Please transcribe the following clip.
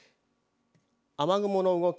雨雲の動き